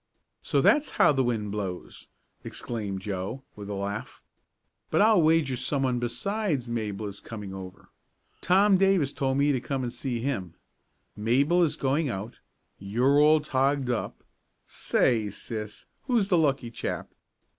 So that's how the wind blows!" exclaimed Joe, with a laugh. "But I'll wager someone besides Mabel is coming over. Tom Davis told me to come and see him, Mabel is going out, you're all togged up say, sis, who's the lucky chap?"